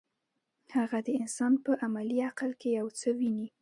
هغه د انسان په عملي عقل کې یو څه ویني.